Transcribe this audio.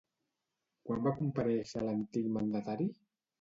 Quan va comparèixer l'antic mandatari?